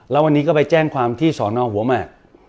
แล้ววันนี้ก็ไปแจ้งความที่สอนอหัวหมาก